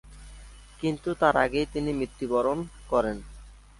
কিন্তু তার আগেই তিনি মৃত্যুবরণ করেন।